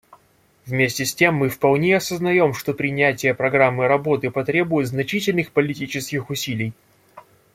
Вместе с тем, мы вполне осознаем, что принятие программы работы потребует значительных политических усилий.